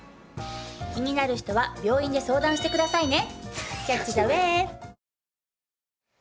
気になる人は病院で相談してくださいね。